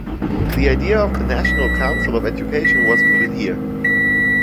The idea of the National Council of Education was mooted here.